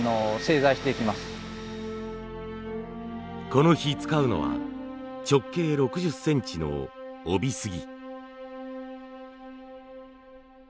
この日使うのは直径６０センチの飫肥杉。